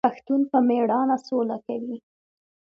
پښتون په میړانه سوله کوي.